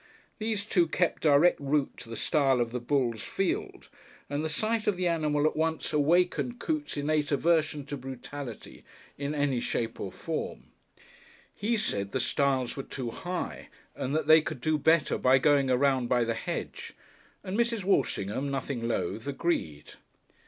These two kept direct route to the stile of the bull's field, and the sight of the animal at once awakened Coote's innate aversion to brutality in any shape or form. He said the stiles were too high, and that they could do better by going around by the hedge, and Mrs. Walshingham, nothing loath, agreed.